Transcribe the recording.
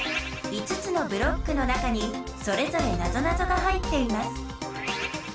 ５つのブロックの中にそれぞれなぞなぞが入っています。